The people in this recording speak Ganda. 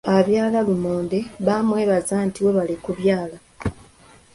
Abyala lumonde bamwebaza nti webale kubyala.